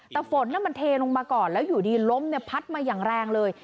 แต่ฝนมันเทลงมาก่อนแล้วอยู่ดีล้มพัดมาอย่างแรงเลย